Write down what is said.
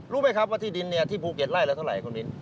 รู้ไหมครับว่าที่ดินที่ภูเก็ตไล่ละเท่าไหร่คุณมิ้น